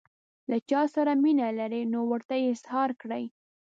له چا سره مینه لرئ نو ورته یې اظهار کړئ.